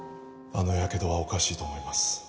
あのやけどはおかしいと思います